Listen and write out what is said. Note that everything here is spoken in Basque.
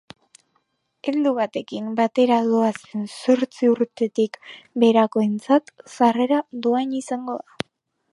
Heldu batekin batera doazen zortzi urtetik beherakoentzat, sarrera doan izango da.